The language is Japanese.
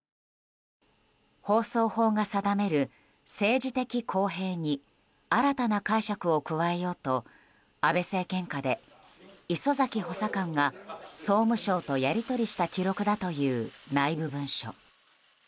放送法が定める政治的公平に新たな解釈を加えようと安倍政権下で礒崎補佐官が総務省とやり取りした記録だという内部文書。